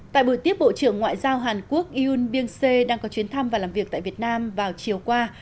tại buổi tiếp bộ trưởng ngoại giao hàn quốc yoon byung se đang có chuyến thăm và làm việc tại việt nam vào chiều qua